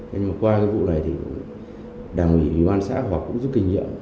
nhưng mà qua cái vụ này thì đảng ủy ủy ban xã họ cũng giúp kinh nghiệm